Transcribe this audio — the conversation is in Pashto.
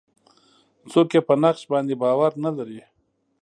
څوک یې په نقش باندې باور نه لري.